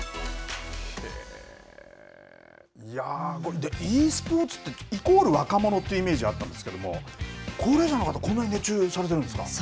いやー、ｅスポーツって、イコール若者というイメージあったんですけど、高齢者の方、こんなに熱中されてるんですか。